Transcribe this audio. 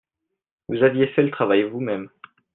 Vous aviez fait le travail vous-mêmes.